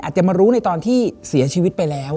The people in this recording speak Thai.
จะมารู้ในตอนที่เสียชีวิตไปแล้ว